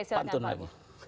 oke silahkan pak